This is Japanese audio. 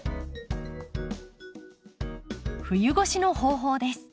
冬越しの方法です。